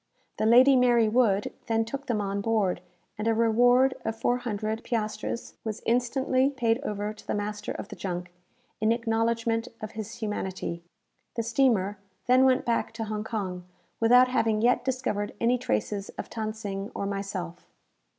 The "Lady Mary Wood" then took them on board, and a reward of 400 piastres was instantly paid over to the master of the junk, in acknowledgment of his humanity. The steamer then went back to Hong Kong, without having yet discovered any traces of Than Sing or myself.